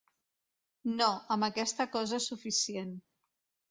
No, amb aquesta cosa és suficient.